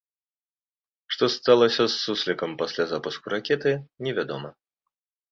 Што сталася з суслікам пасля запуску ракеты, невядома.